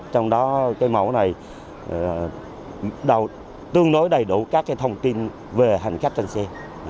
trong đó cái mẫu này tương đối đầy đủ các thông tin về hành khách trên xe